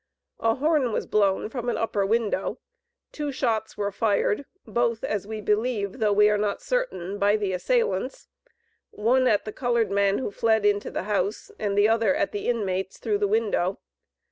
A horn was blown from an upper window; two shots were fired, both, as we believe, though we are not certain, by the assailants, one at the colored man who fled into the house, and the other at the inmates, through the window.